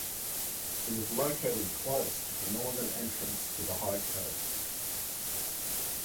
It is located close to the northern entrance to the High Coast.